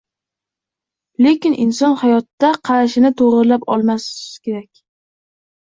Lekin inson hayotga qarashini to‘g‘rilab olmas ekan